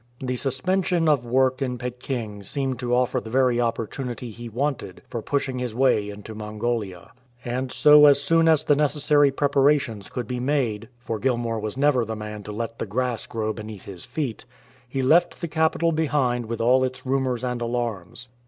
The suspension of work in Peking seemed to offer the very opportunity he wanted for pushing his way into Mongolia. And so as soon as the necessary preparations could be made, for Gilmour was never the man to let the grass grow beneath his feet, he left the capital behind with all its rumours and alarms.